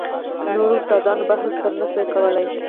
نورو استادانو بحث ورسره نه سو کولاى.